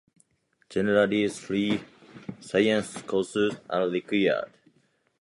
Generally, three science courses are required.